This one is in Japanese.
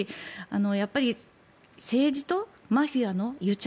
やっぱり政治とマフィアの癒着